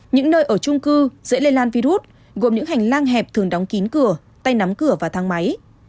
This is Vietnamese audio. những nơi ở trung cư dễ lây lan virus gồm những hành lang hẹp thường đóng kín cửa tay nắm cửa và thang máy